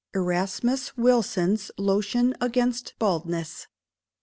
Erasmus Wilson's Lotion against Baldness.